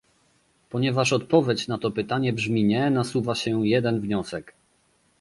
Ponieważ odpowiedź na to pytanie brzmi nie, nasuwa się jeden wniosek